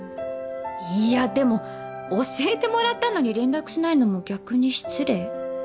いやでも教えてもらったのに連絡しないのも逆に失礼？